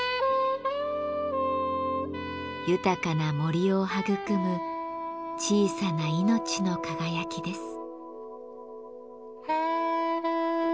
豊かな森を育む小さな命の輝きです。